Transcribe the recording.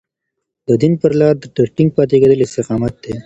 د دين پر لار د ټينګ پاتې کېدل استقامت دی.